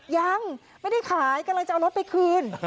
ยังไม่ได้ขายก็เลยจะเอารถไปคืน